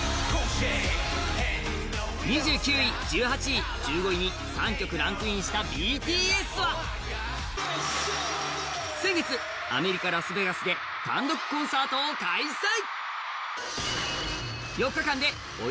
２９位、１８位、１５位に３曲ランクインしたＢＴＳは先月、アメリカ・ラスベガスで単独コンサートを開催。